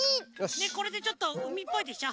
ねっこれでちょっとうみっぽいでしょ。